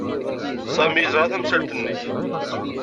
Sami yeẓra tamsalt-nnek.